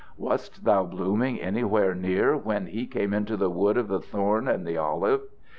Wast thou blooming anywhere near when He came into the wood of the thorn and the olive?